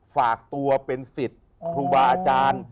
ฝากตัวเป็นสิทธิ์ครูบาอาจารย์